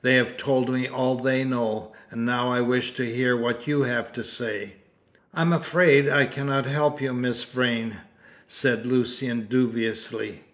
They have told me all they know, and now I wish to hear what you have to say." "I am afraid I cannot help you, Miss Vrain," said Lucian dubiously.